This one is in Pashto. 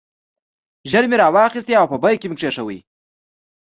ژر مې را واخیست او په بیک کې مې کېښود.